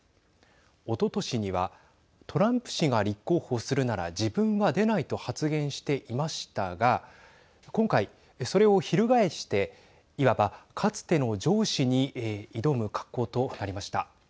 おととしにはトランプ氏が立候補するなら自分は出ないと発言していましたが今回、それを翻していわば、かつての上司に挑む格好となりました。